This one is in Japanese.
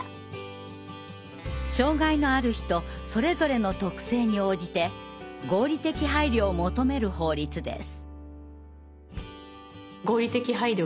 障害のある人それぞれの特性に応じて合理的配慮を求める法律です。